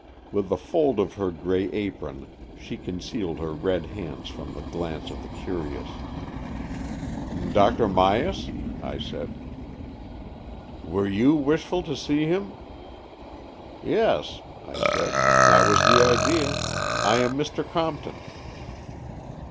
With a fold of her grey apron she concealed her red hands from the glance of the curious. " Dr. Myas? " I said. ''Were you wishful to see him? " "Yes," I said. "That was the idea. I am Mr. Compton."